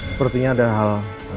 sepertinya ada hal